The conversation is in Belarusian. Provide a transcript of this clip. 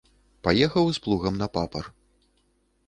Паехаў з плугам на папар.